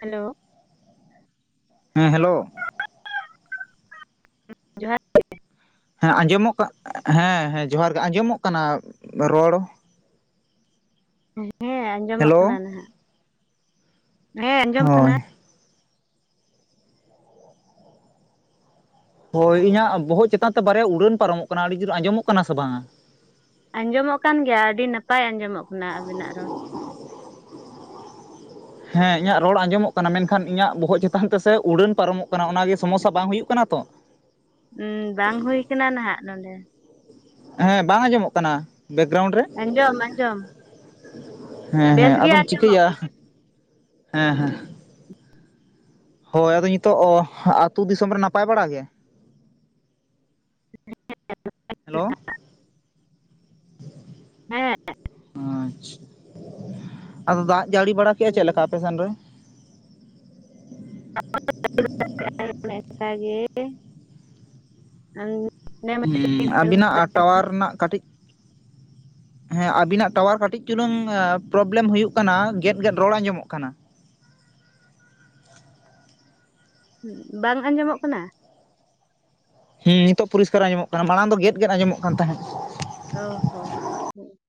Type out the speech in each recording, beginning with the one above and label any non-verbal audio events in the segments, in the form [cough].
Hello ᱦᱮᱸ hello [unintelligible] ᱡᱚᱦᱟᱨ ᱜᱮ ᱦᱮᱸ ᱟᱸᱡᱚᱢᱚᱜ, ᱦᱮᱸ ᱦᱮᱸ ᱡᱚᱦᱟᱨ ᱜᱮ, ᱟᱸᱡᱚᱢᱚᱜ ᱠᱟᱱᱟ ᱨᱚᱲ? ᱦᱮᱸ ᱟᱸᱡᱚᱢᱚᱜ ᱠᱟᱱᱟ ᱦᱮᱞᱳ ᱱᱟᱦᱟᱜ᱾ ᱦᱮᱸ ᱟᱸᱡᱚᱢ ᱟᱠᱟᱱᱟ᱾ ᱦᱳᱭ ᱦᱳᱭ ᱤᱧᱟᱹᱜ ᱵᱚᱦᱚᱜ ᱪᱮᱛᱟᱱ ᱛᱮ ᱵᱟᱨᱭᱟ ᱩᱰᱟᱹᱱ ᱯᱟᱨᱚᱢᱚᱜ ᱠᱟᱱᱟ ᱟᱹᱰᱤ ᱡᱳᱨ ᱟᱸᱡᱚᱢᱚᱜ ᱠᱟᱱᱟ ᱥᱮ ᱵᱟᱝᱟ? ᱟᱸᱡᱚᱢᱚᱜ ᱠᱟᱱ ᱜᱮᱭᱟ ᱟᱹᱰᱤ ᱱᱟᱯᱟᱭ ᱟᱸᱡᱚᱢᱚᱜ ᱠᱟᱱᱟ ᱟᱵᱤᱱᱟᱜ ᱨᱚᱲ᱾ ᱦᱮᱸ ᱤᱧᱟᱹᱜ ᱨᱚᱲ ᱟᱸᱡᱚᱢᱚᱜ ᱠᱟᱱᱟ ᱢᱮᱱᱠᱷᱟᱱ ᱤᱧᱟᱹᱜ ᱵᱚᱦᱚᱜ ᱪᱮᱛᱟᱱ ᱛᱮᱥᱮ ᱩᱰᱟᱹᱱ ᱯᱟᱨᱚᱢᱚᱜ ᱠᱟᱱᱟ ᱚᱱᱟᱜᱮ ᱥᱚᱢᱚᱥᱥᱟ ᱵᱟᱝ ᱦᱩᱭᱩᱜ ᱠᱟᱱᱟ ᱛᱚ? ᱩᱸᱻ ᱵᱟᱝ ᱦᱩᱭ ᱟᱠᱟᱱᱟ ᱱᱟᱦᱟᱜ ᱱᱚᱰᱮ᱾ ᱦᱮᱸ ᱵᱟᱝ ᱟᱸᱡᱚᱢᱚᱜ ᱠᱟᱱᱟ᱾ ᱵᱮᱠᱜᱨᱟᱣᱩᱱᱰ ᱨᱮ ᱟᱸᱡᱚᱢ ᱟᱸᱡᱚᱢ ᱦᱮᱸ ᱵᱮᱥ ᱦᱮᱸ ᱜᱮ ᱟᱫᱚᱢ ᱟᱸᱡᱚᱢᱚᱜ ᱪᱤᱠᱟᱹᱭᱟ ᱠᱟᱱᱟ ᱦᱮᱸ ᱦᱮᱸ ᱦᱳᱭ ᱟᱫᱚ ᱱᱤᱛᱚᱜ ᱟᱹᱛᱩ ᱫᱤᱥᱚᱢ ᱨᱮ ᱱᱟᱯᱟᱭ ᱵᱟᱲᱟ ᱜᱮ [unintelligible] ᱦᱮᱞᱳ ᱦᱮᱸ ᱟᱪᱪᱷᱟ ᱟᱫᱚ ᱫᱟᱜ ᱡᱟᱹᱲᱤ ᱵᱟᱲᱟ ᱠᱮᱫᱼᱟᱭ ᱪᱮᱫᱞᱮᱠᱟ ᱟᱯᱮ ᱥᱮᱱ ᱨᱮ [unintelligible] [unintelligible] ᱦᱢ ᱟᱵᱤᱱᱟᱜ ᱴᱟᱣᱟᱨ ᱨᱮᱱᱟᱜ ᱠᱟᱹᱴᱤᱡ [inaudible] ᱦᱮᱸ ᱟᱵᱤᱱᱟᱜ ᱴᱟᱣᱟᱨ ᱠᱟᱹᱴᱤᱡ ᱪᱩᱞᱩᱝ ᱯᱨᱚᱵᱽᱞᱮᱢ ᱦᱩᱭᱩᱜ ᱠᱟᱱᱟ ᱜᱮᱫ ᱜᱮᱫ ᱨᱚᱲ ᱟᱸᱡᱚᱢᱚᱜ ᱠᱟᱱᱟ ᱾ ᱵᱟᱝ ᱟᱸᱡᱚᱢᱚᱜ ᱠᱟᱱᱟ ᱾ ᱦᱮᱸ ᱱᱤᱛᱚᱜ ᱯᱚᱨᱤᱥᱠᱟᱨ ᱟᱸᱚᱢᱚᱜ ᱠᱟᱱᱟ ᱢᱟᱲᱟᱝ ᱫᱚ ᱜᱮᱫᱜᱮᱫ ᱟᱸᱡᱚᱢᱚᱜ ᱠᱟᱱ ᱛᱟᱦᱮᱸᱫ ᱾ [unintelligible]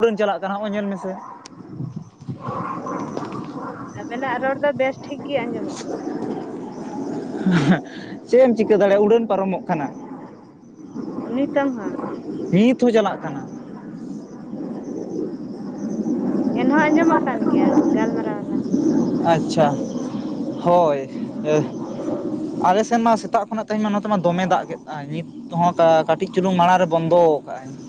ᱩᱰᱟᱹᱱ ᱪᱟᱞᱟᱜ ᱠᱟᱱᱟ ᱦᱚᱸᱜᱼᱚᱭ ᱧᱮᱞ ᱢᱮᱥᱮ ᱾ ᱟᱵᱤᱱᱟᱜ ᱨᱚᱲ ᱫᱚ ᱵᱮᱥ ᱴᱷᱤᱠ ᱜᱮ ᱟᱸᱡᱚᱢᱚᱜ ᱠᱟᱱᱟ ᱾ ᱪᱮᱫ ᱮᱢ ᱪᱤᱠᱟᱹ ᱫᱟᱲᱮᱭᱟᱜᱼᱟ ᱩᱰᱟᱹᱱ ᱯᱟᱨᱚᱢᱚᱜ ᱠᱟᱱᱟ ᱾ ᱱᱤᱛᱚᱜ ᱦᱚᱸ᱾ ᱱᱤᱛ ᱦᱚᱸ ᱪᱟᱞᱟᱜ ᱠᱟᱱᱟ ᱾ ᱮᱱᱦᱚᱸ ᱟᱸᱡᱚᱢᱚᱜ ᱠᱟᱱ ᱜᱮᱭᱟ ᱜᱟᱞᱢᱟᱨᱟ ᱟᱞᱟᱝ ᱾ ᱟᱪᱪᱷᱟ ᱦᱳᱭ ᱾ ᱟᱞᱮ ᱥᱮᱱ ᱢᱟ ᱥᱮᱛᱟᱜ ᱠᱷᱚᱱᱟᱜ ᱛᱮᱦᱮᱧ ᱢᱟ ᱱᱚᱛᱮ ᱢᱟ ᱫᱚᱢᱮ ᱫᱟᱜ ᱠᱮᱫ ᱟᱭ ᱱᱤᱛ ᱾ ᱦᱚᱸ ᱠᱟᱹᱴᱤᱡ ᱪᱩᱞᱩᱝ ᱢᱟᱲᱟᱝ ᱨᱮ ᱵᱚᱱᱫᱚ ᱠᱟᱜᱼ ᱟᱭ ᱾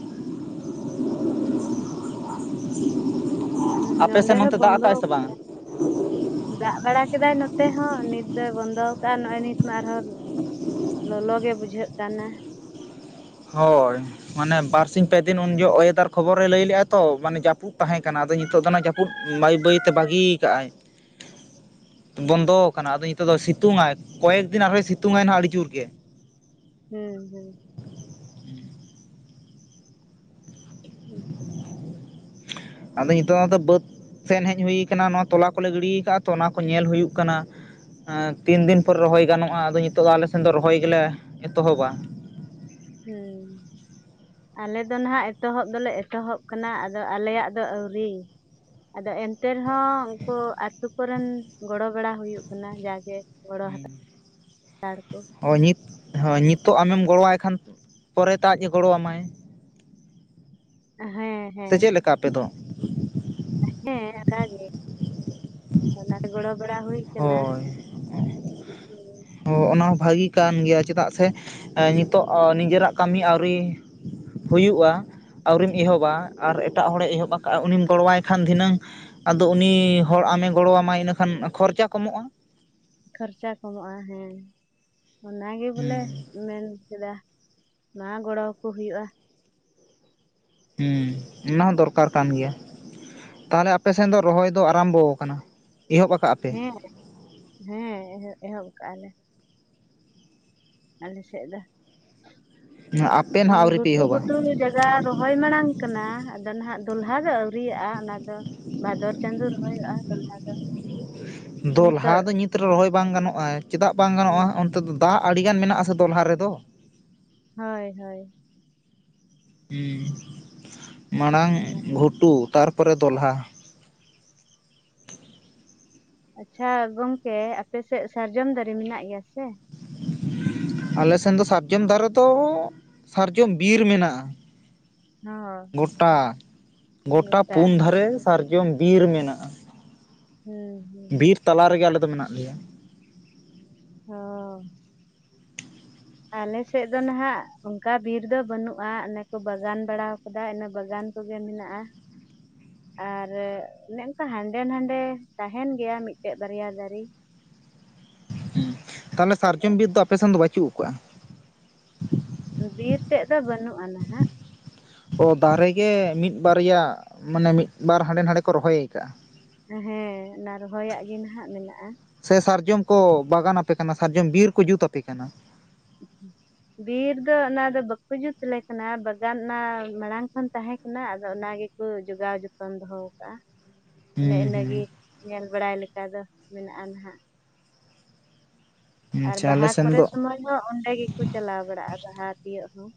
ᱦᱩᱸ ᱟᱯᱮ ᱱᱚᱸᱰᱮ ᱥᱮᱫ ᱚᱱᱛᱮ ᱦᱚᱸ ᱫᱟᱜ ᱵᱚᱱᱫᱚ ᱟᱠᱟᱜᱼᱟᱭ ᱥᱮ ᱵᱟᱝ ᱟᱠᱟᱫᱟᱭ ᱾ ᱫᱟᱜ ᱵᱟᱲᱟ ᱠᱮᱫᱟᱭ ᱱᱚᱛᱮ ᱦᱚᱸ ᱱᱤᱛ ᱫᱚᱭ ᱵᱚᱱᱫᱚ ᱾ ᱱᱚᱜ ᱼᱚᱭ ᱱᱤᱛ ᱢᱟ ᱟᱨᱦᱚᱸ ᱞᱚᱞᱚ ᱜᱮ ᱵᱩᱡᱷᱟᱹᱜ ᱠᱟᱱᱟ ᱾ ᱦᱳᱭ᱾ ᱢᱟᱱᱮ ᱵᱟᱨᱥᱤᱧ ᱯᱮ ᱫᱤᱱ ᱩᱱ ᱡᱚ ᱚᱭᱮᱫᱟᱨ ᱠᱷᱚᱵᱚᱨᱮᱭ ᱞᱟᱹᱭ ᱞᱮᱜᱼᱟ ᱛᱚ ᱢᱟᱱᱮ ᱡᱟᱹᱯᱩᱫ ᱛᱟᱦᱮᱸ ᱠᱟᱱᱟ ᱟᱫᱚ ᱱᱤᱛᱚᱜ ᱫᱚ ᱡᱟᱹᱯᱩᱫ ᱾ ᱯᱩᱫ ᱵᱟᱹᱭ ᱵᱟᱹᱭ ᱛᱮ ᱵᱟᱹᱜᱤ ᱠᱟᱫᱟᱭ ᱾ [inaudible] ᱵᱚᱱᱫᱚ ᱟᱠᱟᱱᱟ ᱟᱫᱚ ᱱᱤᱛᱚᱜ ᱫᱚ ᱥᱤᱛᱩᱝ ᱟᱭ ᱠᱚᱭᱮᱠ ᱫᱤᱱ ᱟᱨᱦᱚᱸ ᱥᱤᱛᱩᱝ ᱟᱭ ᱱᱟᱦᱟᱜ ᱟᱹᱰᱤ ᱡᱳᱨ ᱜᱮ ᱾ ᱦᱩᱸ ᱦᱩᱸ ᱾᱾ [unintelligible] ᱟᱫᱚ ᱱᱤᱛᱚᱜ ᱢᱟᱛᱚ ᱵᱟᱹᱫᱽ᱾ ᱥᱮᱱ ᱦᱮᱡ ᱦᱩᱭ ᱟᱠᱟᱱᱟ ᱱᱚᱣᱟ ᱛᱚᱞᱟ ᱠᱚᱞᱮ ᱜᱤᱲᱤ ᱠᱟᱜᱼᱟ ᱛᱚ ᱚᱱᱟ ᱠᱚ ᱧᱮᱞ ᱦᱩᱭᱩᱜ ᱠᱟᱱᱟ ᱾ ᱛᱤᱱ ᱫᱤᱱ ᱯᱚᱨ ᱨᱚᱦᱚᱭ ᱜᱟᱱᱚᱜᱼᱟ ᱟᱫᱚ ᱱᱤᱛᱚᱜ ᱫᱚ ᱟᱞᱮᱥᱮᱱ ᱫᱚ ᱨᱚᱦᱚᱭ ᱜᱮᱞᱮ ᱮᱛᱚᱦᱚᱵᱟ ᱾ ᱦᱩᱸ ᱾ ᱟᱞᱮ ᱫᱚ ᱱᱟᱦᱟᱜ ᱮᱛᱚᱦᱚᱵ ᱫᱚᱞᱮ ᱮᱛᱚᱦᱚᱵ ᱠᱟᱱᱟ ᱟᱫᱚ ᱟᱞᱮᱭᱟᱜ ᱫᱚ ᱟᱹᱣᱨᱤ ᱾ ᱟᱫᱚ ᱮᱱᱛᱮ ᱨᱮᱦᱚᱸ ᱩᱱᱠᱩ ᱟᱛᱳ ᱠᱚᱨᱮᱱ ᱜᱚᱲᱚ ᱵᱟᱲᱟ ᱦᱩᱭᱩᱜ ᱠᱟᱱᱟ ᱡᱟᱜᱮ ᱾ ᱜᱚᱲᱚ ᱦᱟᱛᱟᱲ ᱟᱨ ᱠᱚ ᱾ ᱦᱳᱭ ᱱᱤᱛ ᱦᱳᱭ ᱱᱤᱛᱚᱜ ᱟᱢᱮᱢ ᱜᱚᱲᱚᱣᱟᱭ ᱠᱷᱟᱱ ᱯᱚᱨᱮᱛᱮ ᱟᱡ ᱮ ᱜᱚᱲᱚᱣᱟᱢᱟᱭ ᱾ ᱦᱮᱸ ᱾ ᱥᱮ ᱪᱮᱫ ᱞᱮᱠᱟ ᱟᱯᱮ ᱫᱚ ᱾ ᱦᱮᱸ ᱚᱱᱠᱟ ᱜᱮ ᱦᱳᱞᱟ ᱨᱮ ᱜᱚᱲᱚ ᱵᱟᱲᱟ ᱦᱩᱭ ᱾ ᱦᱳᱭ ᱚᱱᱟ ᱦᱚ ᱵᱷᱟᱹᱜᱤ ᱠᱟᱱ ᱜᱮᱭᱟ ᱪᱮᱫᱟᱜ ᱥᱮ ᱾ ᱮ ᱱᱤᱛᱚᱜ ᱱᱤᱡᱮᱨᱟᱜ ᱠᱟᱹᱢᱤ ᱟᱹᱣᱨᱤ ᱦᱩᱭᱩᱜᱼᱟ ᱾ ᱟᱹᱣᱨᱤᱢ ᱮᱦᱚᱵᱟ ᱟᱨ ᱮᱴᱟᱜ ᱦᱚᱲᱮ ᱮᱦᱚᱵ ᱟᱠᱟᱫᱼᱟ ᱩᱱᱤᱢ ᱜᱚᱲᱚᱣᱟᱭ ᱠᱷᱟᱱ ᱫᱷᱤᱱᱟᱹᱝ ᱾ ᱟᱫᱚ ᱩᱱᱤ ᱦᱚᱲ ᱟᱢᱮ ᱜᱚᱲᱚ ᱟᱢᱟᱭ ᱤᱱᱟᱹᱠᱷᱟᱱ ᱠᱷᱚᱨᱪᱟ ᱠᱚᱢᱚᱜᱼᱟ ᱾ ᱠᱷᱚᱨᱪᱟ ᱠᱚᱢᱚᱜᱼᱟ ᱦᱮᱸ ᱚᱱᱟᱜᱮ ᱵᱚᱞᱮ ᱦᱮᱸ ᱢᱮᱱ ᱠᱮᱫᱟ ᱾ ᱢᱟ ᱜᱚᱲᱚ ᱟᱠᱚ ᱦᱩᱭᱩᱜᱼᱟ ᱾ ᱦᱮᱸ ᱚᱱᱟ ᱦᱚᱸ ᱫᱚᱨᱠᱟᱨ ᱠᱟᱱ ᱜᱮᱭᱟ ᱾ ᱛᱟᱦᱚᱞᱮ ᱟᱯᱮᱥᱱ ᱫᱚ ᱨᱚᱦᱚᱭ ᱫᱚ ᱟᱨᱟᱢᱵᱚ ᱟᱠᱟᱱᱟ ᱮᱦᱚᱵ ᱟᱠᱟ ᱯᱮ ᱾ ᱦᱮᱸ ᱦᱮᱸ ᱮᱦᱚᱵ ᱠᱟᱜᱼᱟ ᱞᱮ ᱾ ᱟᱞᱮ ᱥᱮᱫ ᱟᱯᱮ ᱫᱚ ᱱᱟᱦᱟᱜ ᱟᱹᱣᱨᱤ ᱯᱮ ᱜᱷᱩᱴᱩ ᱮᱦᱚᱵᱟ ᱜᱷᱩᱴᱩ ᱡᱟᱭᱜᱟ ᱾ ᱨᱚᱦᱚᱭ ᱢᱟᱲᱟᱝ ᱠᱟᱱᱟ ᱟᱫᱚ ᱱᱟᱦᱟᱜ ᱫᱚᱞᱦᱟ ᱫᱚ ᱟᱣᱨᱟᱜᱼᱟ ᱚᱱᱟ ᱫᱚ ᱾ ᱵᱷᱟᱫᱚᱨ ᱪᱟᱸᱫᱳ ᱨᱚᱦᱚᱭᱼᱟ ᱫᱚᱞᱦᱟ ᱫᱚ ᱾ ᱫᱚᱞᱦᱟ ᱫᱚ ᱱᱤᱛᱨᱮ ᱨᱚᱦᱚᱭ ᱵᱟᱝ ᱜᱟᱱᱚᱜ-ᱟ ᱪᱮᱫᱟᱜ ᱵᱟᱝ ᱜᱟᱱᱚᱜ-ᱟ ᱛᱮᱫᱚ ᱫᱚ ᱫᱟᱜ ᱟᱹᱰᱤᱜᱟᱱ ᱢᱮᱱᱟᱜ ᱟᱥᱮ ᱫᱚᱞᱦᱟ ᱨᱮᱫᱚ ᱦᱳᱭ ᱦᱳᱭ ᱦᱩᱸ ᱢᱟᱲᱟᱝ ᱚᱱᱟ᱾ ᱜᱷᱩᱴᱩ ᱛᱟᱨᱯᱚᱨᱮ ᱫᱚᱞᱦᱟ ᱟᱪᱪᱷᱟ ᱜᱚᱝᱠᱮ ᱟᱯᱮ ᱥᱮᱫ ᱥᱟᱨᱡᱚᱢ ᱫᱟᱨᱮ ᱢᱮᱱᱟᱜ ᱜᱮᱭᱟ ᱥᱮ ᱟᱞᱮ ᱥᱮᱱ ᱫᱚ ᱥᱟᱨᱡᱚᱢ ᱫᱟᱨᱮ ᱫᱚ ᱥᱟᱨᱡᱚᱢ ᱵᱤᱨ ᱢᱮᱱᱟᱜ-ᱟ ᱦᱚ ᱜᱚᱴᱟ ᱜᱚᱴᱟ ᱯᱩᱱ ᱫᱷᱟᱨᱮ ᱥᱟᱨᱡᱚᱢ ᱵᱤᱨ ᱢᱮᱱᱟᱜ-ᱟ ᱦᱩᱸ ᱦᱩᱸ ᱛᱟᱞᱟ ᱨᱮᱜᱮ ᱟᱞᱮ ᱫᱚ ᱢᱮᱱᱟᱜ ᱞᱮᱭᱟ ᱚᱻ ᱟᱞᱮ ᱥᱮᱫ ᱫᱚ ᱱᱟᱦᱟᱜ ᱚᱝᱠᱟ ᱵᱤᱨ ᱫᱚ ᱵᱟᱹᱱᱩᱜ-ᱟ, ᱚᱱᱮ ᱠᱚ ᱵᱟᱜᱟᱱ ᱵᱟᱲᱟᱣ ᱠᱟᱫᱟ ᱤᱱᱟᱹ ᱵᱟᱜᱟᱱ ᱠᱚᱜᱮ ᱢᱮᱱᱟᱜ-ᱟ ᱟᱨ ᱚᱱᱮ ᱚᱝᱠᱟ ᱦᱟᱸᱰᱮ ᱱᱟᱰᱮ ᱛᱟᱦᱮᱱ ᱜᱮᱭᱟ ᱢᱤᱜᱴᱮᱡ ᱵᱟᱨᱭᱟ ᱫᱟᱨᱤ ᱛᱟᱦᱚᱞᱮ ᱟᱫᱚ ᱥᱟᱨᱡᱚᱢ ᱵᱤᱨ ᱫᱚ ᱟᱯᱮᱥᱱ ᱫᱚ ᱵᱟᱹᱪᱩᱜ ᱠᱟᱜ-ᱟ ᱵᱤᱨ ᱛᱮᱫ ᱫᱚ ᱵᱟᱹᱱᱩᱜ-ᱟ ᱱᱟᱦᱟᱜ ᱚ ᱫᱟᱨᱮ ᱜᱮ ᱢᱤᱫ ᱵᱟᱨᱭᱟ ᱢᱟᱱᱮ ᱢᱤᱫ ᱵᱟᱨ ᱦᱟᱸᱰᱮ ᱱᱟᱰᱮ ᱠᱚ ᱨᱚᱦᱚᱭ ᱠᱟᱜ-ᱟ ᱦᱮᱸ ᱚᱱᱟ ᱨᱚᱦᱚᱭᱟᱜ ᱜᱮ ᱱᱟᱦᱟᱜ ᱢᱮᱱᱟᱜ-ᱟ ᱥᱮ ᱥᱟᱨᱡᱚᱢ ᱠᱚ ᱵᱟᱜᱟᱱ ᱟᱯᱮ ᱠᱟᱱᱟ ᱥᱟᱨᱡᱚᱢ ᱵᱤᱨ ᱠᱚ ᱡᱩᱛ ᱟᱯᱮ ᱠᱟᱱᱟ [inaudible] ᱵᱤᱨ ᱫᱚ ᱚᱱᱟ ᱫᱚ ᱵᱟᱠᱚ ᱡᱩᱛ ᱟᱞᱮ ᱠᱟᱱᱟ ᱵᱟᱜᱟᱱ ᱚᱱᱟ ᱢᱟᱲᱟᱝ ᱠᱷᱚᱱ ᱛᱟᱦᱮᱸ ᱠᱟᱱᱟ ᱟᱫᱚ ᱚᱱᱟ ᱜᱮ ᱠᱚ ᱡᱚᱜᱟᱣ ᱡᱚᱛᱚᱱ ᱫᱚᱦᱚ ᱠᱟᱜ-ᱟ ᱮᱱᱮ ᱤᱱᱟᱹᱜᱤ ᱦᱩᱸ ᱧᱮᱞ ᱵᱟᱲᱟᱭ ᱞᱮᱠᱟ ᱫᱚ ᱢᱮᱱᱟᱜ-ᱟ ᱱᱟᱦᱟᱜ ᱦᱩᱸ ᱟᱨ ᱟᱪᱪᱷᱟ ᱟᱞᱮ ᱵᱟᱦᱟ ᱥᱮᱱ ᱠᱚᱨᱮ ᱫᱚ ᱥᱩᱢᱚᱭ ᱦᱚᱸ ᱚᱸᱰᱮ ᱜᱮᱠᱚ ᱪᱟᱞᱟᱣ ᱵᱟᱲᱟᱜ ᱵᱟᱦᱟ ᱛᱤᱭᱳᱜ ᱦᱚᱸ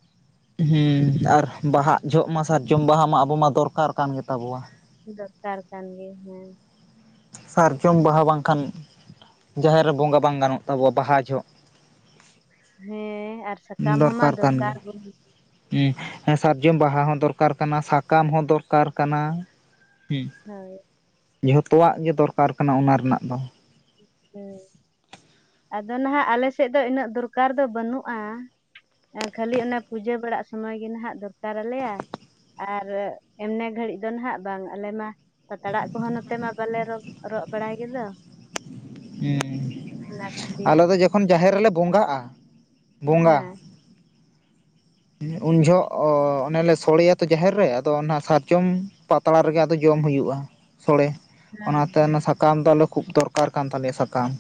ᱦᱩᱸ ᱟᱨ ᱵᱟᱦᱟᱜ ᱡᱷᱚᱜ ᱢᱟ ᱥᱟᱨᱡᱚᱢ ᱵᱟᱦᱟ ᱢᱟ ᱟᱵᱚ ᱢᱟ ᱫᱚᱨᱠᱟᱨ ᱠᱟᱱ ᱜᱮᱛᱟ ᱵᱚᱣᱟ ᱫᱚᱨᱠᱟᱨ ᱠᱟᱱ ᱜᱮ ᱦᱮᱸ ᱥᱟᱨᱡᱚᱢ ᱵᱟᱦᱟ ᱵᱟᱝᱠᱷᱟᱱ ᱡᱟᱦᱮᱨ ᱨᱮ ᱵᱚᱸᱜᱟ ᱵᱟᱝ ᱜᱟᱱᱚᱜ ᱛᱟᱵᱚᱣᱟ ᱵᱟᱦᱟ ᱡᱷᱚᱜ ᱦᱮᱸ ᱟᱨ ᱥᱟᱠᱟᱢ ᱦᱚᱸᱢᱟ ᱫᱚᱨᱠᱟᱨ ᱠᱟᱱ ᱫᱚᱨᱠᱟᱨ ᱜᱮᱭᱟ ᱵᱚᱱ ᱦᱩᱸ ᱮᱸ ᱥᱟᱨᱡᱚᱢ ᱵᱟᱦᱟ ᱦᱚᱸ ᱫᱚᱨᱠᱟᱨ ᱠᱟᱱᱟ ᱥᱟᱠᱟᱢ ᱦᱚᱸ ᱫᱚᱨᱠᱟᱨ ᱠᱟᱱᱟ ᱦᱩᱸ ᱦᱳᱭ ᱡᱷᱚᱛᱚᱣᱟᱜ ᱜᱮ ᱫᱚᱨᱠᱟᱨ ᱠᱟᱱᱟ ᱚᱱᱟ ᱨᱮᱱᱟᱜ ᱫᱚ ᱦᱩᱸ ᱟᱫᱚ ᱱᱟᱦᱟᱜ ᱟᱞᱮ ᱥᱮᱫ ᱫᱚ ᱤᱱᱟᱹᱜ ᱫᱚᱨᱠᱟᱨ ᱫᱚ ᱵᱟᱹᱱᱩᱜ-ᱟ ᱠᱷᱟᱹᱞᱤ ᱚᱱᱟ ᱯᱩᱡᱟᱹ ᱵᱟᱲᱟᱟᱜ ᱥᱚᱢᱚᱭ ᱜᱮ ᱦᱟᱜ ᱫᱚᱨᱠᱟᱨ ᱟᱞᱮᱭᱟ ᱟᱨ ᱮᱢᱱᱮ ᱜᱷᱟᱹᱲᱤᱡ ᱫᱚ ᱱᱟᱦᱟᱜ ᱵᱟᱝ ᱟᱞᱮ ᱢᱟ ᱯᱟᱛᱲᱟᱜ ᱠᱚᱦᱚᱸ ᱱᱚᱛᱮ ᱢᱟ ᱵᱟᱞᱮ ᱨᱚᱜ ᱵᱟᱲᱟᱭ ᱜᱮᱫᱚ ᱦᱩᱸ ᱚᱱᱟ ᱠᱷᱟᱹᱛᱤᱨ ᱟᱞᱮ ᱫᱚ ᱡᱚᱠᱷᱚᱱ ᱡᱟᱦᱮᱨ ᱨᱮᱞᱮ ᱵᱚᱸᱜᱟᱜ-ᱟ ᱵᱚᱸᱜᱟ ᱦᱮᱸ ᱩᱱ ᱡᱷᱚᱜ ᱚᱱᱮᱞᱮ ᱥᱳᱲᱮᱭᱟ ᱛᱚ ᱡᱟᱦᱮᱨ ᱨᱮ ᱟᱫᱚ ᱚᱱᱟ ᱥᱟᱨᱡᱚᱢ ᱯᱟᱛᱲᱟ ᱨᱮᱜᱮ ᱟᱫᱚ ᱡᱚᱢ ᱦᱩᱭᱩᱜ-ᱟ ᱥᱳᱲᱮ ᱦᱮᱸ ᱚᱱᱟᱛᱮ ᱚᱱᱟ ᱥᱟᱠᱟᱢ ᱫᱚ ᱟᱞᱮ ᱠᱷᱩᱵ ᱫᱚᱨᱠᱟᱨ ᱠᱟᱱ ᱛᱟᱞᱮᱭᱟ ᱥᱟᱠᱟᱢ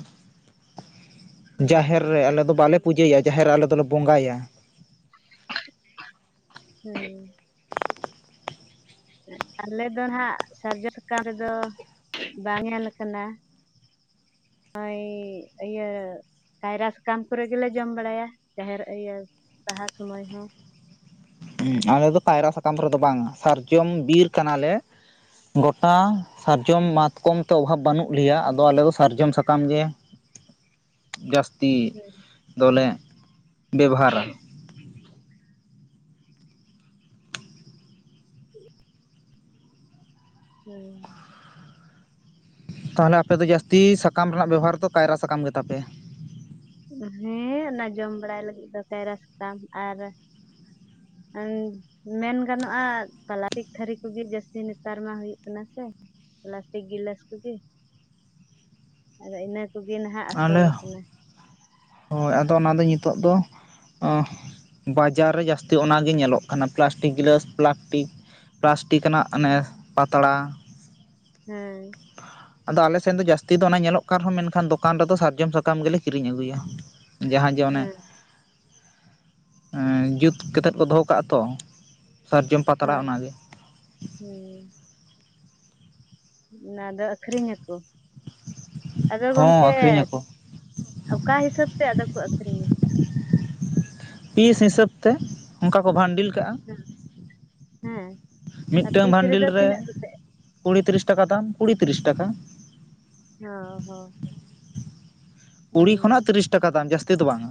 ᱦᱳᱭ ᱡᱟᱦᱮᱨ ᱨᱮ ᱟᱞᱮ ᱫᱚ ᱵᱟᱞᱮ ᱯᱩᱡᱟᱹᱭᱟ ᱡᱟᱦᱮᱨ ᱨᱮ ᱟᱞᱮ ᱫᱚᱞᱮ ᱵᱚᱸᱜᱟᱭᱟ ᱦᱳᱭ ᱟᱞᱮ ᱫᱚ ᱱᱟᱜ ᱥᱟᱨᱡᱚᱢ ᱥᱟᱠᱟᱢ ᱨᱮᱫᱚ ᱵᱟᱝ ᱧᱮᱞ ᱠᱟᱱᱟ ᱚᱭ ᱤᱭᱟᱹ ᱠᱟᱭᱨᱟ ᱥᱟᱠᱟᱢ ᱠᱚᱨᱮ ᱜᱮᱞᱮ ᱡᱚᱢ ᱵᱟᱲᱟᱭᱟ ᱡᱟᱦᱮᱨ ᱤᱭᱟᱹ ᱵᱟᱦᱟ ᱥᱩᱢᱚᱭ ᱦᱚᱸ ᱩᱸᱜ ᱟᱞᱮ ᱫᱚ ᱠᱟᱭᱨᱟ ᱥᱟᱠᱟᱢ ᱨᱮᱫᱚ ᱵᱟᱝ ᱥᱟᱨᱡᱚᱢ ᱵᱤᱨ ᱠᱟᱱᱟᱞᱮ ᱜᱚᱴᱟ ᱥᱟᱨᱡᱚᱢ ᱢᱟᱛᱠᱚᱢ ᱛᱮ ᱚᱵᱷᱟᱵᱽ ᱵᱟᱹᱱᱩᱜ ᱞᱮᱭᱟ ᱟᱫᱚ ᱟᱞᱮ ᱫᱚ ᱥᱟᱨᱡᱚᱢ ᱥᱟᱠᱟᱢ ᱜᱮ [inaudible] ᱡᱟᱥᱛᱤ ᱦᱮᱸ ᱫᱚᱞᱮ ᱵᱮᱵᱷᱟᱨᱟ ᱦᱩᱸ ᱛᱟᱦᱚᱞᱮ ᱟᱯᱮ ᱫᱚ ᱡᱟᱹᱥᱛᱤ ᱥᱟᱠᱟᱢ ᱨᱮᱱᱟᱜ ᱵᱮᱵᱽᱦᱟᱨ ᱫᱚ ᱠᱟᱭᱨᱟ ᱥᱟᱠᱟᱢ ᱜᱮᱛᱟᱯᱮ ᱦᱮᱸ ᱚᱱᱟ ᱡᱚᱢ ᱵᱟᱲᱟᱭ ᱞᱟᱹᱜᱤᱫ ᱫᱚᱠᱟᱭᱨᱟ ᱥᱟᱠᱟᱢ ᱟᱨ ᱢᱮᱱ ᱜᱟᱱᱚᱜᱼᱟ ᱯᱞᱟᱥᱴᱤᱠ ᱛᱷᱟᱹᱨᱤ ᱠᱚᱜᱮ ᱡᱟᱹᱥᱛᱤ ᱱᱮᱛᱟᱨ ᱢᱟ ᱦᱩᱭᱩᱜ ᱠᱟᱱᱟ ᱥᱮ᱾ ᱯᱞᱟᱥᱴᱤᱠ ᱜᱞᱟᱹᱥ ᱠᱚᱜᱮ ᱟᱫᱚ ᱤᱱᱟᱹ ᱠᱚᱜᱮ ᱱᱟᱦᱟᱜ ᱟᱥᱚᱞ ᱟᱞᱮ ᱠᱟᱱᱟ ᱦᱳᱭ ᱟᱫᱚ ᱚᱱᱟᱫᱚ ᱱᱤᱛᱚᱜ ᱫᱚ ᱟᱸ ᱵᱟᱡᱟᱨ ᱨᱮ ᱡᱟᱹᱥᱛᱤ ᱚᱱᱟ ᱜᱮ ᱧᱮᱞᱚᱜ ᱠᱟᱱᱟ ᱯᱞᱟᱥᱴᱤᱠ ᱜᱞᱟᱥ ᱯᱞᱟᱥᱴᱤᱠ ᱯᱞᱟᱥᱴᱤᱠ ᱟᱱᱟᱜ ᱚᱱᱮ ᱯᱟᱛᱲᱟ ᱦᱮᱸ ᱟᱫᱚ ᱟᱞᱮ ᱥᱮᱱ ᱫᱚ ᱡᱟᱹᱥᱛᱤ ᱫᱚ ᱚᱱᱟ ᱧᱮᱞᱚᱜ ᱠᱟᱱ ᱨᱮᱦᱚᱸ ᱢᱮᱱᱠᱷᱟᱱ ᱫᱚ ᱫᱚᱠᱟᱱ ᱨᱮᱫᱚ ᱥᱟᱨᱡᱚᱢ ᱥᱟᱠᱟᱢ ᱜᱮᱞᱮ ᱠᱤᱨᱤᱧ ᱟᱹᱜᱩᱭᱟ ᱡᱟᱦᱟᱸ ᱡᱮ ᱚᱱᱮ ᱦᱮᱸ ᱡᱩᱛ ᱠᱛᱮᱫ ᱠᱚ ᱫᱚᱦᱚ ᱠᱟᱜᱼᱟ ᱛᱚ ᱥᱟᱨᱡᱚᱢ ᱯᱟᱛᱲᱟ ᱚᱱᱟᱜᱮ ᱦᱩᱸ ᱚᱱᱟᱫᱚ ᱟᱹᱠᱷᱨᱤᱧ ᱟᱠᱚ, ᱟᱫᱚ ᱦᱚᱸ ᱜᱚᱝᱠᱮ ᱟᱹᱠᱷᱨᱤᱧᱟᱠᱚ ᱚᱠᱟ ᱦᱤᱥᱟᱹᱵ ᱛᱮ ᱟᱫᱚ ᱠᱚ ᱟᱹᱷᱨᱤᱧᱮᱫ ᱯᱤᱥ ᱦᱤᱥᱟᱹᱵᱛᱮ ᱚᱱᱠᱟ ᱠᱚ ᱵᱷᱟᱱᱰᱤᱞ ᱠᱟᱜᱼᱟ᱾ ᱦᱮᱸ ᱟᱨ ᱢᱤᱫᱴᱟᱝ ᱯᱤᱥ ᱵᱷᱟᱱᱰᱤᱞ ᱨᱮᱫᱚ ᱨᱮ ᱛᱤᱱᱟᱹᱜ ᱠᱟᱛᱮᱫ ᱠᱩᱲᱤ ᱛᱤᱨᱤᱥ ᱴᱟᱠᱟ ᱫᱟᱢ ᱠᱩᱲᱤ ᱛᱤᱨᱤᱥ ᱴᱟᱠᱟ ᱦᱚᱸ ᱦᱚᱸ ᱦᱚ ᱠᱩᱲᱤ ᱠᱷᱚᱱᱟᱜ ᱛᱤᱨᱤᱥ ᱴᱟᱠᱟ ᱫᱟᱢ ᱡᱟᱹᱥᱛᱤ ᱫᱚ ᱵᱟᱝ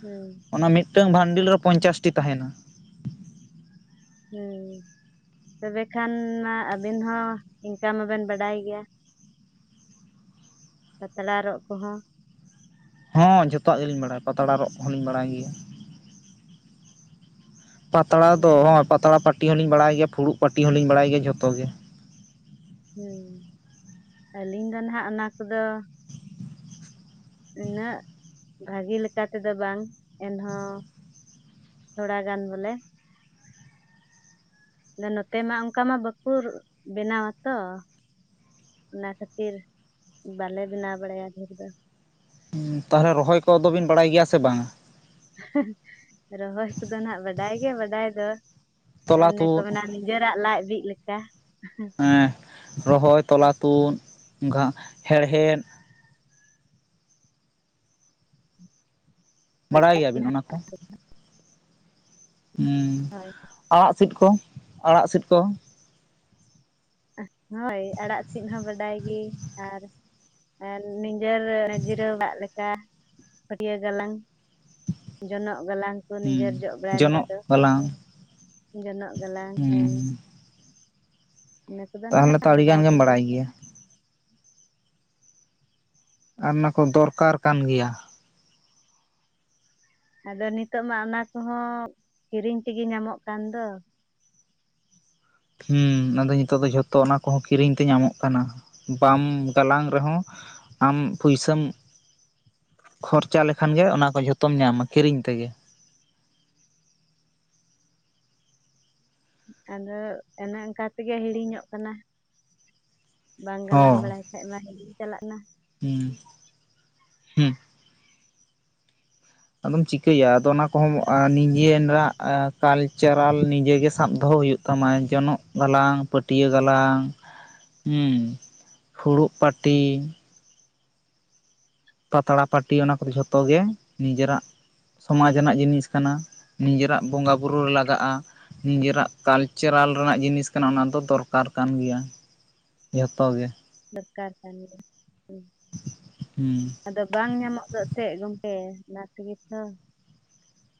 ᱦᱩᱸ ᱚᱱᱟ ᱢᱤᱫᱴᱟᱝ ᱵᱷᱟᱱᱰᱮᱞ ᱨᱮ ᱯᱚᱧᱪᱟᱥᱴᱤ ᱛᱟᱦᱮᱱᱟ ᱦᱩᱸ ᱛᱚᱵᱮ ᱠᱷᱟᱱ ᱢᱟ ᱟᱵᱤᱱ ᱦᱚᱸ ᱤᱱᱠᱟ ᱢᱟᱵᱮᱱ ᱵᱟᱰᱟᱭ ᱜᱮᱭᱟ ᱯᱟᱛᱲᱟ ᱨᱚᱜ ᱠᱚᱦᱚᱸ ᱦᱚᱸ ᱡᱚᱛᱚᱣᱟᱜ ᱜᱮᱞᱤᱧ ᱵᱟᱲᱟᱭᱟ ᱯᱟᱛᱲᱟ ᱨᱚᱜ ᱦᱚᱸᱞᱤᱧ ᱵᱟᱲᱟᱭ ᱜᱮᱭᱟ ᱯᱟᱛᱲᱟ ᱫᱚ ᱦᱩᱸ ᱦᱭ ᱯᱟᱛᱲᱟ ᱯᱟᱟᱹᱴᱤ ᱦᱚᱸᱞᱤᱧ ᱵᱟᱲᱟᱭ ᱜᱮᱭᱟ ᱯᱷᱩᱲᱩᱜ ᱯᱟᱟᱹᱴᱤ ᱦᱚᱞᱤᱧ ᱵᱟᱲᱟᱭ ᱜᱮᱭᱟ ᱡᱷᱚᱛᱚ ᱜᱮ᱾ ᱦᱮᱸ ᱟᱹᱞᱤᱧ ᱫᱚ ᱱᱟᱦᱟᱜ ᱚᱱᱟ ᱠᱚᱫᱚ ᱩᱱᱟᱹᱜ ᱵᱷᱟᱹᱜᱤ ᱞᱮᱠᱟ ᱛᱮᱫᱚ ᱵᱟᱝ ᱮᱱᱦᱚᱸ ᱛᱷᱚᱲᱟ ᱜᱟᱱ ᱵᱚᱞᱮ ᱟᱫᱚ ᱱᱚᱛᱮ ᱢᱟ ᱚᱱᱠᱟ ᱢᱟ ᱵᱟᱠᱚ ᱨᱚ ᱵᱮᱱᱟᱣᱟ ᱛᱚ ᱚᱱᱟ ᱠᱷᱟᱹᱛᱤᱨ ᱵᱟᱞᱮ ᱵᱮᱱᱟᱣ ᱵᱟᱲᱟᱭᱟ ᱰᱷᱮᱨ ᱫᱚ ᱛᱟᱦᱚᱞᱮ ᱨᱚᱦᱚᱭ ᱠᱚ ᱟᱫᱚᱚᱵᱤᱱ ᱵᱟᱲᱟᱭ ᱜᱮᱭᱟ ᱥᱮ ᱵᱟᱝᱟ? ᱨᱚᱦᱚᱭ ᱠᱚᱫᱚ ᱱᱟᱜ ᱵᱟᱰᱟᱭ ᱜᱮ ᱵᱟᱰᱟᱭ ᱫᱚ ᱛᱚᱞᱟ ᱚᱱᱮ ᱠᱚ ᱛᱩᱫ ᱢᱮᱱᱟ ᱱᱤᱡᱚᱨᱟᱜ ᱞᱟᱡ ᱵᱤᱜ ᱞᱮᱠᱟ ᱨᱚᱦᱚᱭ ᱛᱚᱞᱟ ᱛᱩᱫ ᱜᱷᱟ ᱦᱮᱲᱦᱮᱫ ᱵᱟᱲᱟᱭ ᱜᱮᱭᱟᱵᱤᱱ ᱚᱱᱟ ᱠᱚ ᱦᱩᱸ ᱟᱲᱟᱜ ᱥᱤᱫ ᱠᱚ ᱟᱲᱟᱜ ᱥᱤᱫ ᱠᱚ [unintelligible] ᱦᱳᱭ ᱟᱲᱟᱜ ᱥᱤᱫ ᱦᱚᱸ ᱵᱟᱰᱟᱭ ᱜᱮ ᱟᱨ ᱱᱤᱡᱮᱨ ᱡᱤᱨᱟᱹᱣᱟᱜ ᱞᱮᱠᱟ ᱠᱟ ᱯᱷᱟᱹᱴᱭᱟᱹ ᱜᱟᱞᱟᱝ ᱡᱚᱱᱚᱜ ᱜᱟᱞᱟᱝ ᱱᱤᱡᱮᱨ ᱦᱩᱸ ᱡᱚᱜ ᱵᱟᱲᱟᱭ ᱞᱮ ᱡᱚᱱᱚᱜ ᱟᱫᱚ ᱜᱟᱞᱟᱝ ᱡᱚᱱᱚᱜ ᱜᱟᱞᱟᱝ ᱦᱩᱸ ᱦᱮᱸ ᱤᱱᱟᱹ ᱠᱚᱫᱚ ᱛᱟᱦᱚᱞᱮ ᱛᱚ ᱱᱟᱦᱟᱜ ᱟᱹᱰᱤ ᱜᱟᱱ ᱵᱟᱰᱟᱭ ᱜᱮᱢ ᱜᱮ ᱵᱟᱲᱟᱭ ᱜᱮᱭᱟ᱾ ᱟᱨ ᱚᱱᱟᱠᱚ ᱫᱚᱨᱠᱟᱨ ᱠᱟᱱ ᱜᱮᱭᱟ᱾ ᱟᱫᱚ ᱱᱤᱛᱚᱜ ᱢᱟ ᱚᱱᱟ ᱠᱚᱦᱚᱸ ᱠᱤᱨᱤᱧ ᱛᱮᱜᱮ ᱧᱟᱢᱚᱜ ᱠᱟᱱ ᱫᱚ ᱦᱩᱸ ᱟᱫᱚ ᱱᱤᱛᱚᱜ ᱫᱚ ᱡᱷᱚᱛᱚ ᱚᱱᱟ ᱠᱚᱦᱚᱸ ᱠᱤᱨᱤᱧ ᱛᱮ ᱧᱟᱢᱚᱜ ᱠᱟᱱᱟ ᱵᱟᱢ ᱜᱟᱞᱟᱝ ᱨᱮᱦᱚᱸ ᱟᱢ ᱯᱩᱭᱥᱟᱹᱢ ᱠᱷᱚᱨᱪᱟ ᱞᱮᱠᱷᱟᱱ ᱜᱮ ᱚᱱᱟ ᱠᱚ ᱡᱷᱚᱛᱚᱢ ᱧᱟᱢᱟ ᱠᱤᱨᱤᱧ ᱛᱮᱜᱮ᱾ ᱟᱫᱚ ᱚᱱᱮ ᱚᱱᱠᱟ ᱛᱮᱜᱮ ᱦᱤᱲᱤᱧᱚᱜ ᱠᱟᱱᱟ ᱵᱟᱝ ᱜᱟᱞᱟᱝ ᱦᱚᱸ ᱵᱟᱲᱟᱭ [unintelligible] ᱠᱷᱟᱭᱟ ᱢᱟ ᱦᱤᱲᱤᱧ ᱪᱟᱞᱟᱜ ᱠᱟᱱᱟ᱾ ᱦᱩᱸ ᱦᱩᱸ ᱟᱫᱚᱢ ᱪᱤᱠᱟᱹᱭᱟ ᱟᱫᱚ ᱚᱱᱟ ᱠᱚᱦᱚᱢ ᱱᱤᱡᱮ ᱨᱮᱱᱟᱜ ᱠᱟᱞᱪᱟᱨᱟᱞ ᱱᱤᱡᱮ ᱜᱮ ᱥᱟᱵ ᱫᱚᱦᱚ ᱦᱩᱭᱩᱜ ᱛᱟᱢᱟᱹ᱾ ᱛᱟᱢᱟᱭ ᱡᱚᱱᱚᱜ ᱜᱟᱞᱟᱝ ᱯᱟᱹᱴᱭᱟᱹ ᱜᱟᱞᱟᱝ ᱦᱩ ᱯᱷᱩᱲᱩᱜ ᱯᱟᱹᱴᱤ ᱯᱟᱛᱲᱟ ᱯᱟᱹᱴᱤ ᱚᱱᱟ ᱠᱚᱫᱚ ᱡᱷᱚᱛᱚ ᱜᱮ ᱱᱤᱡᱮᱨᱟᱜ ᱥᱚᱢᱟᱡᱽ ᱨᱮᱱᱟᱜ ᱡᱤᱱᱤᱥ ᱠᱟᱱᱟ ᱱᱤᱡᱮᱨᱟᱜ ᱵᱚᱸᱜᱟ ᱵᱩᱨᱩ ᱨᱮ ᱞᱟᱜᱟᱜᱼᱟ ᱾ ᱱᱤᱡᱮᱨᱟᱜ ᱠᱟᱞᱪᱟᱨᱟᱞ ᱨᱮᱱᱟᱜ ᱡᱤᱱᱤᱥ ᱠᱟᱱᱟ ᱚᱱᱟ ᱫᱚ ᱫᱚᱨᱠᱟᱨ ᱠᱟᱱ ᱜᱮᱭᱟ ᱾ ᱡᱚᱛᱚ ᱜᱮ᱾ ᱫᱚᱨᱠᱟᱨ ᱠᱟᱱᱜᱮᱭᱟ [inaudible] ᱦᱩᱸ ᱟᱫᱚ ᱵᱟᱝ ᱧᱟᱢᱚᱜ ᱫᱚ ᱮᱱᱛᱮ ᱜᱚᱢᱠᱮ ᱚᱱᱟ ᱛᱮᱜᱮ ᱛᱚ᱾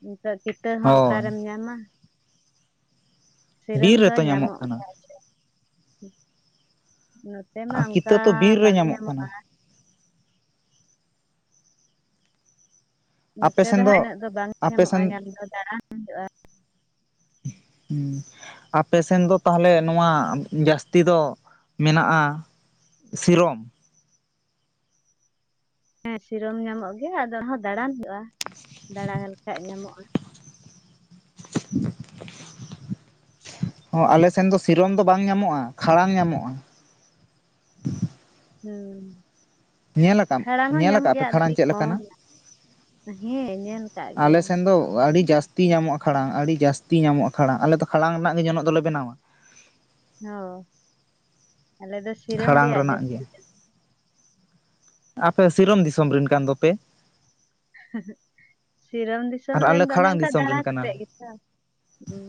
ᱱᱤᱛᱚᱜ ᱠᱤᱛᱟᱹ ᱦᱚᱸ ᱦᱳᱭ ᱚᱠᱟᱨᱮᱢ ᱧᱟᱢᱟ᱾ ᱥᱤᱨᱟᱹᱢ ᱵᱤᱨ ᱫᱚ ᱨᱮᱛᱚ ᱧᱟᱢᱚᱜ ᱠᱟᱱᱟ ᱜᱮᱭᱟ ᱪᱮ [inaudible] ᱱᱚᱛᱮ ᱢᱟ ᱚᱱᱠᱟ ᱠᱤᱛᱟᱹ ᱛᱚ ᱵᱤᱨ ᱨᱮ ᱵᱟᱝ ᱧᱟᱢᱚᱜ ᱠᱟᱱᱟ ᱧᱟᱢᱚᱜᱼᱟ᱾ ᱟᱯᱮ ᱱᱚᱛᱮ ᱫᱚ ᱥᱮᱱ ᱦᱟᱜ ᱤᱱᱟᱹᱜ ᱫᱚ ᱵᱟᱝ ᱟᱯᱮ ᱧᱟᱢᱚᱜᱼᱟ ᱥᱮᱱ ᱧᱟᱢ ᱫᱚ ᱫᱟᱲᱟᱱ ᱦᱩᱭᱩᱜᱼᱟ᱾ ᱦᱩᱸ ᱟᱯᱮᱥᱮᱱ ᱫᱚ ᱛᱟᱦᱞᱮ ᱱᱚᱣᱟ ᱡᱟᱹᱥᱛᱤ ᱫᱚ ᱢᱮᱱᱟᱜᱼᱟ ᱾ ᱥᱤᱨᱚᱢ? ᱦᱮᱸ ᱥᱤᱨᱚᱢ ᱧᱟᱢᱚᱜ ᱜᱮᱭᱟ ᱟᱫᱚ ᱚᱱᱟᱦᱚᱸ ᱫᱟᱲᱟᱱ ᱦᱩᱭᱩᱜᱼᱟ ᱫᱟᱬᱟ ᱞᱮᱠᱷᱟᱡ ᱧᱟᱢᱚᱜᱼᱟ ᱾ [inaudible] ᱦᱚ ᱟᱞᱮ ᱥᱮᱱ ᱫᱚ ᱥᱤᱨᱚᱢ ᱫᱚ ᱵᱟᱝ ᱧᱟᱢᱚᱜᱼᱟ, ᱠᱷᱟᱲᱟᱝ ᱧᱟᱢᱚᱜᱼᱟ ᱾ ᱦᱩᱸ ᱧᱮᱞᱟᱠᱟᱢ ᱠᱷᱟᱲᱟᱝ ᱦᱚᱸ ᱧᱟᱢᱚᱜ ᱧᱮᱞᱟᱠᱟᱜᱼᱟ ᱯᱮ ᱜᱮᱭᱟ ᱟᱫᱚ ᱠᱷᱟᱲᱟᱝ ᱟᱹᱰᱤ ᱪᱮᱫ ᱠᱚᱢ ᱞᱮᱠᱟᱱᱟ? ᱦᱮᱸ ᱧᱮᱞ ᱠᱟᱜ ᱟᱞᱮ ᱜᱮᱭᱟ ᱥᱮᱱ ᱫᱚ ᱟᱹᱰᱤ ᱡᱟᱥ ᱛᱤ ᱧᱟᱢᱚᱜᱼᱟ ᱠᱷᱟᱲᱟᱝ ᱟᱹᱲᱤ ᱡᱟᱹᱥᱛᱤ ᱧᱟᱢᱚᱜᱼᱟ ᱠᱷᱟᱲᱟᱝ ᱟᱞᱮᱫᱚ ᱠᱷᱟᱲᱟᱝ ᱨᱮᱱᱟᱝ ᱜᱮ ᱡᱚᱱᱚᱜ ᱫᱚᱞᱮ ᱵᱮᱱᱟᱣᱟ ᱾ ᱦᱚ ᱟᱞᱮ ᱫᱚ ᱥᱤᱨᱚᱢ ᱠᱷᱟᱲᱟᱝ ᱨᱮᱭᱟᱜ ᱨᱮᱱᱟᱜ ᱜᱮ ᱡᱟᱹᱥᱛᱤ ᱞᱮ ᱟᱯᱮ ᱥᱤᱨᱚᱢ ᱫᱤᱥᱚᱢ ᱨᱮᱱ ᱠᱟᱱ ᱫᱚᱯᱮ? ᱥᱤᱨᱚᱢ ᱫᱤᱥᱚᱢ ᱟᱨ ᱨᱮᱱ ᱟᱞᱮ ᱫᱚ ᱚᱱᱮ ᱠᱷᱟᱲᱟᱝ ᱚᱱᱠᱟ ᱫᱤᱥᱚᱢ ᱫᱟᱬᱟ ᱨᱮᱱ ᱠᱟᱱᱟᱞᱮ ᱠᱟᱛᱮᱜ ᱜᱮᱛᱚ᱾ ᱦᱩᱸ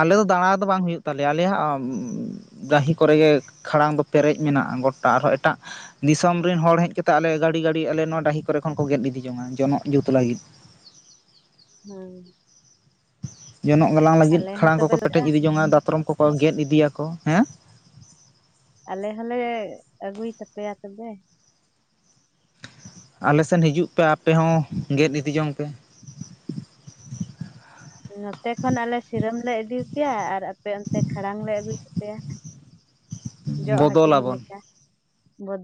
ᱟᱞᱮ ᱫᱚ ᱫᱟᱬᱟ ᱫᱚ ᱵᱟᱝ ᱦᱩᱭᱩᱜ ᱛᱟᱞᱮᱭᱟ ᱟᱞᱮᱭᱟᱜ [unintelligible] ᱫᱟᱸᱦᱤ ᱠᱚᱨᱮᱜᱮ ᱠᱷᱟᱲᱟᱝ ᱫᱚ ᱯᱮᱨᱮᱡ ᱢᱮᱱᱟᱜᱼᱟ ᱜᱚᱴᱟ ᱟᱨᱦᱚᱸ ᱮᱴᱟᱜ ᱫᱤᱥᱚᱢ ᱨᱤᱱ ᱦᱚᱲ ᱦᱮᱸᱡ ᱠᱟᱛᱮ ᱟᱞᱮ ᱜᱟᱲᱤ ᱜᱟᱲᱤ ᱟᱞᱮ ᱱᱚᱣᱟ ᱰᱟᱹᱦᱤ ᱠᱚᱨᱮ ᱠᱷᱚᱱ ᱠᱚ ᱜᱮᱫ ᱤᱫᱤ ᱡᱚᱝᱟ ᱡᱚᱱᱚᱜ ᱡᱩᱛ ᱞᱟᱹᱜᱤᱫ ᱾ ᱦᱮᱸ ᱡᱚᱱᱚᱜ ᱜᱟᱞᱟᱝ ᱞᱟᱹᱜᱤᱫ ᱟᱞᱮ ᱦᱚᱸ ᱠᱷᱟᱲᱟᱝ ᱛᱚᱵᱮ ᱠᱚᱠᱚ ᱯᱮᱴᱮᱡ ᱤᱫᱤ ᱡᱚᱝᱼᱟ ᱫᱟᱛᱨᱚᱢ ᱠᱚᱠᱚ ᱜᱮᱫ ᱤᱫᱤᱭᱟᱠᱚ, ᱦᱮᱸ? ᱟᱞᱮ ᱦᱚᱞᱮ ᱟᱹᱜᱩᱭ ᱛᱟᱯᱮᱭᱟ ᱛᱚᱵᱮ ᱾ ᱟᱞᱮᱥᱮᱱ ᱦᱤᱡᱩᱜ ᱯᱮ ᱟᱯᱮ ᱦᱚᱸ ᱜᱮᱫ ᱤᱫᱤ ᱡᱚᱝ ᱯᱮ ᱾ ᱱᱚᱛᱮ ᱠᱷᱚᱱ ᱟᱞᱮ ᱥᱤᱨᱚᱢ ᱞᱮ ᱤᱫᱤᱣᱟᱯᱮᱭᱟ ᱟᱨ ᱟᱯᱮ ᱚᱱᱛᱮ ᱠᱷᱟᱲᱟᱝ ᱞᱮ ᱟᱜᱩᱭ ᱛᱟᱯᱮᱭᱟ ᱾ ᱡᱚᱜ ᱵᱚᱫᱚᱞ ᱦᱟᱹᱴᱤᱧ ᱟᱵᱚᱱ ᱞᱮᱠᱟ, ᱵᱚᱫ